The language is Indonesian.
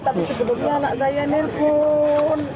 tapi sebelumnya anak saya nelfon